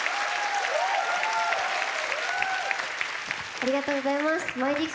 ありがとうございます。